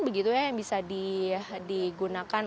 begitu ya yang bisa digunakan